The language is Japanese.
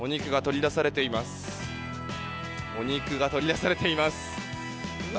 お肉が取り出されています。